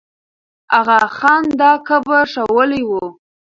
آغا خان دا قبر ښوولی وو.